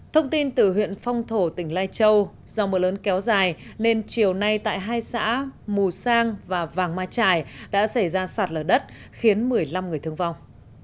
thông tin từ huyện phong thổ tỉnh lai châu do mưa lớn kéo dài nên chiều nay tại hai xã mù sang và vàng ma trải đã xảy ra sạt lở đất khiến một mươi năm người thương vong